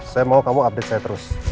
saya mau kamu update saya terus